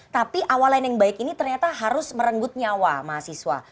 tapi awalan yang baik ini ternyata harus merenggut nyawa mahasiswa